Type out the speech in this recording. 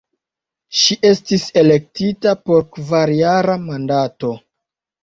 Ŝi estis elektita por kvarjara mandato.